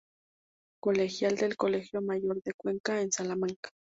Colegial del colegio mayor de Cuenca, en Salamanca.